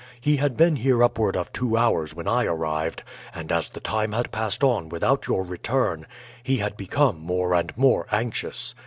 He had been here upward of two hours when I arrived, and as the time had passed on without your return he had become more and more anxious.